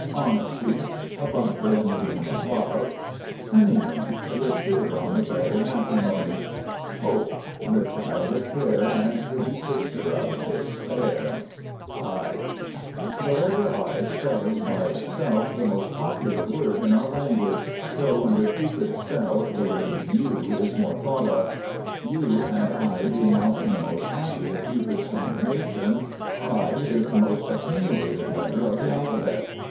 HONESTY. A bunker in the game of Love. HONEYMOON. The sugar on the bread of matrimony. HOPE. "… the child of Care, And pretty sister of Despair." I [Illustration: I] The letter I spells by itself the most popular word in our language, though, under Cupid's spell, the word "U" is more thought of, "You and I" being often the most happy of Cupid's combinations. I is the most Attenuated letter of the Alphabet.